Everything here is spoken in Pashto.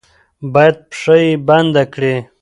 با ید پښه یې بنده کړي.